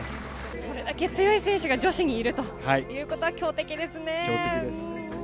それだけ強い選手が女子にいるということが強敵ですね。